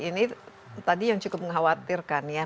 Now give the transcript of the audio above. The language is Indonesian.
ini tadi yang cukup mengkhawatirkan ya